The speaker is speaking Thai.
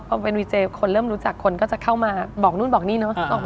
พอเป็นวีเจคนเริ่มรู้จักคนก็จะเข้ามาบอกนู่นบอกนี่เนอะ